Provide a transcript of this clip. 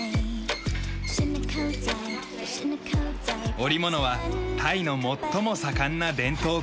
織物はタイの最も盛んな伝統工芸。